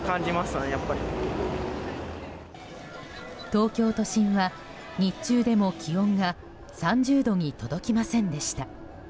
東京都心は日中でも気温が３０度に届きませんでした。